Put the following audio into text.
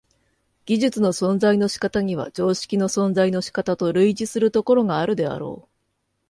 技術の存在の仕方には常識の存在の仕方と類似するところがあるであろう。